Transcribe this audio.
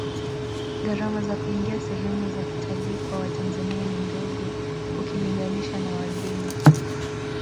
gharama za kuingia sehemu za kitalii kwa watanzania ni ndogo ukilinganisha na wageni